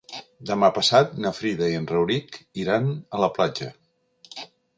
Demà passat na Frida i en Rauric iran a la platja.